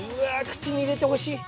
口に入れてほしい！